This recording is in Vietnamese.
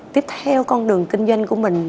tiếp theo con đường kinh doanh của mình